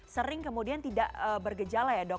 sering kemudian tidak bergejala ya dok